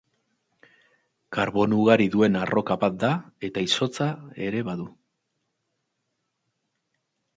Karbono ugari duen arroka bat da eta izotza ere badu.